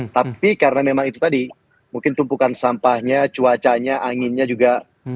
tapi karena memang itu tadi mungkin tumpukan sampahnya cuacanya anginnya juga